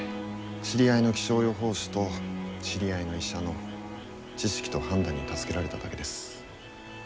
知り合いの気象予報士と知り合いの医者の知識と判断に助けられただけです。